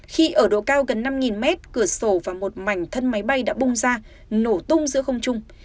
khi ở độ cao gần năm mét cửa sổ và một mảnh thân máy bay đã bung ra nổ tung giữa không trung